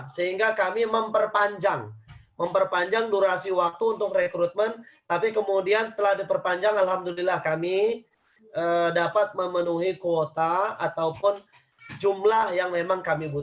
sehingga kami memperpanjang durasi waktu untuk rekrutmen tapi kemudian setelah diperpanjang alhamdulillah kami dapat memenuhi kuota ataupun jumlah yang memang kami butuhkan